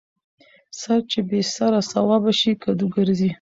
ـ سر چې بې سر سوابه شي کدو ګرځي.